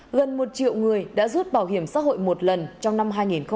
gần một triệu người đã rút bảo hiểm xã hội một lần trong năm hai nghìn hai mươi